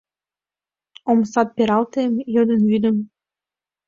Омсат пералтем, йодын вӱдым